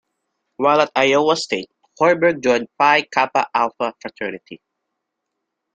While at Iowa State, Hoiberg joined Pi Kappa Alpha fraternity.